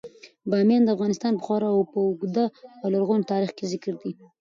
بامیان د افغانستان په خورا اوږده او لرغوني تاریخ کې ذکر دی.